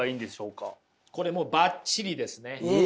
これもばっちりですね！